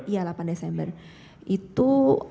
iya delapan desember itu